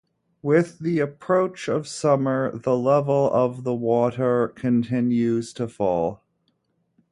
With the approach of summer, the level of the water continues to fall.